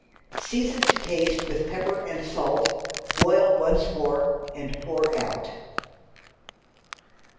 Season to taste with pepper and salt, boil once more and pour out.